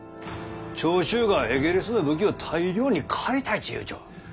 長州がエゲレスの武器を大量に買いたいっちゅうとる。